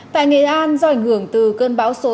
tại nghệ an do ảnh hưởng từ cơn bão số sáu